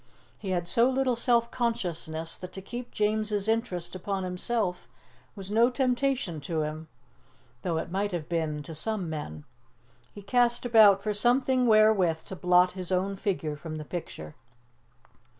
He had so little self consciousness that to keep James's interest upon himself was no temptation to him, though it might have been to some men. He cast about for something wherewith to blot his own figure from the picture.